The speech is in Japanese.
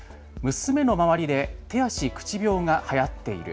娘の周りで手足口病がはやっている。